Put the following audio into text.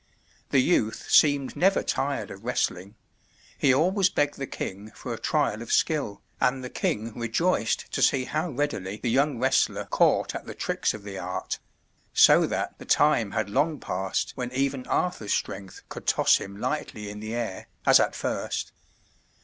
The youth seemed never tired of wrestling; he always begged the king for a trial of skill, and the king rejoiced to see how readily the young wrestler caught at the tricks of the art; so that the time had long passed when even Arthur's strength could toss him lightly in the air, as at first.